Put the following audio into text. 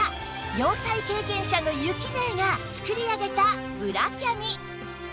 洋裁経験者のゆきねえが作り上げたブラキャミ